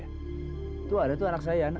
itu ada tuh anak saya